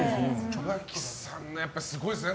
岩城さん、すごいですね。